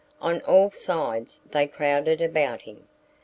On all sides they crowded about him.